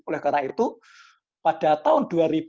oleh karena itu pada tahun dua ribu empat belas dua ribu lima belas